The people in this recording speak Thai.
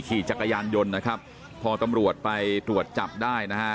ขี่จักรยานยนต์นะครับพอตำรวจไปตรวจจับได้นะฮะ